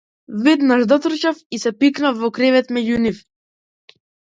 Веднаш дотрчав и се пикнав во кревет меѓу нив.